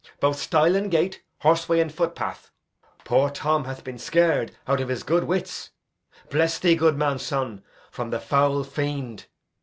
Both stile and gate, horseway and footpath. Poor Tom hath been scar'd out of his good wits. Bless thee, good man's son, from the foul fiend!